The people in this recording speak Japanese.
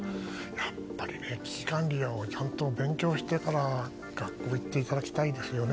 やっぱり、危機管理をちゃんと勉強してから学校に行っていただきたいですね。